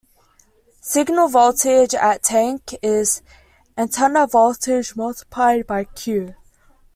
Signal voltage at tank is antenna voltage multiplied by "Q".